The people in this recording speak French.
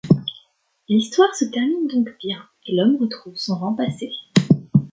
L'histoire se termine donc bien, et l'homme retrouve son rang passé.